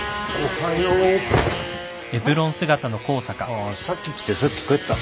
ああさっき来てさっき帰った。